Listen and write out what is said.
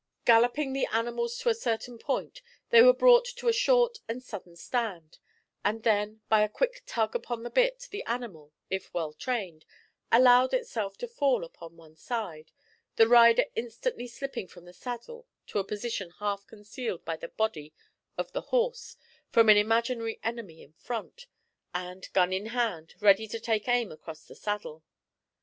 Galloping the animals to a certain point, they were brought to a short and sudden stand, and then by a quick tug upon the bit, the animal, if well trained, allowed itself to fall upon one side, the rider instantly slipping from the saddle to a position half concealed by the body of the horse from an imaginary enemy in front, and gun in hand, ready to take aim across the saddle.